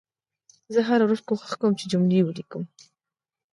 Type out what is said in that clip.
زه هره ورځ کوښښ کوم چې جملې ولیکم